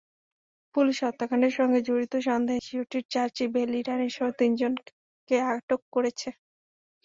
Police হত্যাকাণ্ডের সঙ্গে জড়িত সন্দেহে শিশুটির চাচি বেলি রানীসহ তিনজনকে আটক করেছে।